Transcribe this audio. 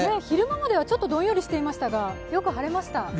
昼間まではちょっとどんよりしていましたが、よく晴れました。